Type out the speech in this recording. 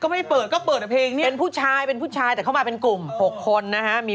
แล้วมีคนจะมาเต้นอะไร